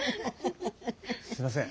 すいません。